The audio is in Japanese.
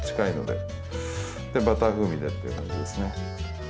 で、バター風味でっていう感じですね。